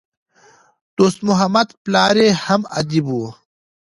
دوست محمد پلار ئې هم ادیب وو.